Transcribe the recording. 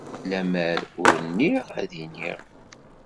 Lemmer ur nniɣ ad iniɣ.